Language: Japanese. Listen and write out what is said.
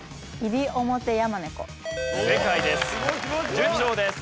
順調です。